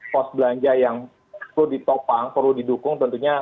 pos belanja yang perlu ditopang perlu didukung tentunya